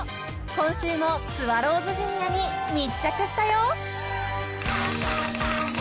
［今週もスワローズジュニアに密着したよ］